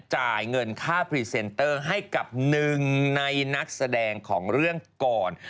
จ่ายเงินค่าพรีเซนเตอร์ให้กับหนึ่งในนักแสดงของเรื่องก่อน